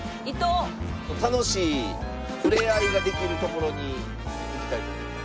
楽しい触れ合いができる所に行きたいと思います。